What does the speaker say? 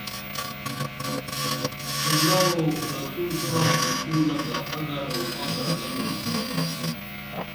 اللہ او رسول ساں مُشکولہ بہ اگرو مگر گنُمہ